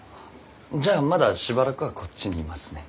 じゃあまだしばらくはこっちにいますね。